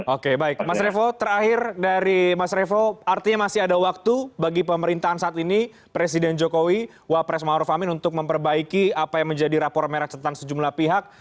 oke baik mas revo terakhir dari mas revo artinya masih ada waktu bagi pemerintahan saat ini presiden jokowi wapres maruf amin untuk memperbaiki apa yang menjadi rapor merah cetan sejumlah pihak